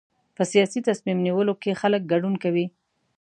په سیاسي تصمیم نیولو کې خلک ګډون کوي.